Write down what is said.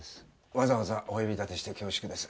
わざわざお呼び立てして恐縮です。